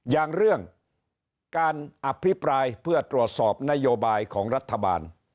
อย่างเรื่องการอภิปรายเพื่อตรวจสอบนโยบายของรัฐบาล